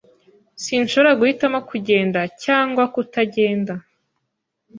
Sinshobora guhitamo kugenda cyangwa kutagenda.